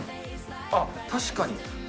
あっ、確かに。